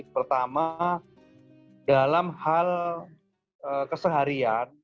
pertama dalam hal keseharian